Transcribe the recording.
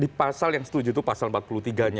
di pasal yang setuju itu pasal empat puluh tiga nya